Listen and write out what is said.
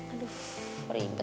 aduh ribet banget